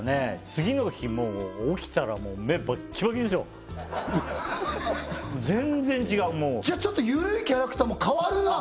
次の日もう起きたらもう目バッキバキですよ全然違うもうじゃあちょっと緩いキャラクターも変わるな？